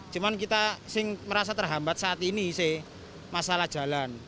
cuman kita sih merasa terhambat saat ini sih masalah jalan